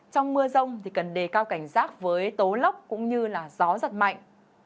trong mưa rông thì cần đề cao cảnh giác với tố lốc cũng như gió giật mạnh